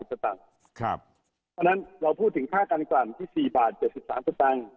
เพราะฉะนั้นเราพูดถึงค่ากันกลั่นที่๔บาท๗๓สตางค์